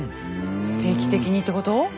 定期的にってこと？